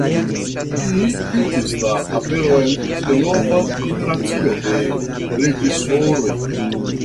Ĝi vidis la aperon de nova generacio de reĝisoroj.